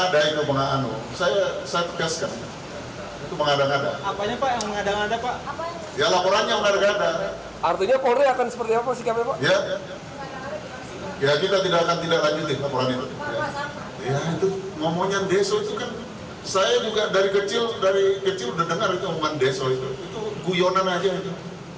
dari kecil sudah dengar itu umpan deso itu itu guyonan aja itu